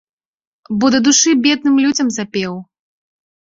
Бо да душы бедным людзям запеў.